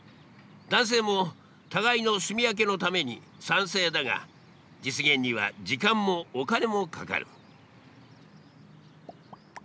男性も互いの住み分けのために賛成だが実現には時間もお金もかかる。